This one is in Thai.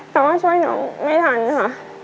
แต่ว่าช่วยน้องไม่ทันค่ะ